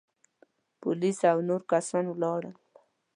پوليس او نور کسان ولاړل.